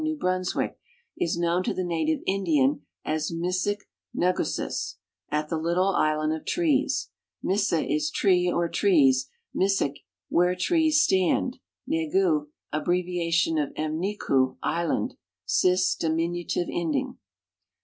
New P.runs wick, is known to the native Indian as Misik nt^gusis, "at the little island of trees." INIisi is " tree " or " trees ;" niisik, " wliere trees stand;" negu, abbreviation of m'niku, "island;" sis, diminutive ending.